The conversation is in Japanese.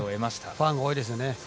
ファンが多いですよね。